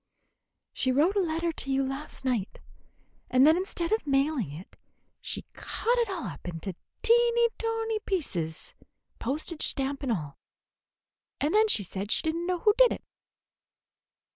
"She wrote a letter to you last night, and then instead of mailing it she cut it all up into teenty tonty pieces, postage stamp and all; and then said she did n't know who did it."